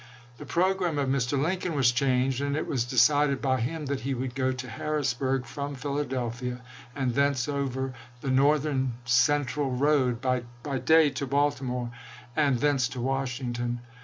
The programme of Mr. Lincoln was changed ; and it was de cided by him that he would go to Harrisburg from Phila delphia, and thence over the Northern Central road by day to Baltimore, and thence to Washington.